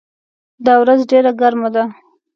دا ورځ ډېره ګرمه ده.